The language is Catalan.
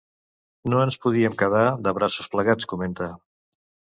No ens podíem quedar de braços plegats, comenta.